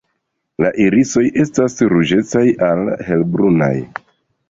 La irisoj estas ruĝecaj al helbrunaj.